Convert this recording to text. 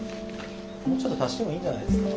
もうちょっと足してもいいんじゃないですか。